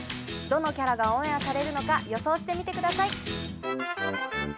どのキャラがオンエアされるのか予想してみてください。